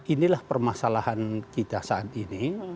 inilah permasalahan kita saat ini